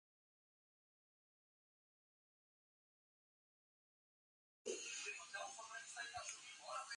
Disruption envolve inovação disruptiva.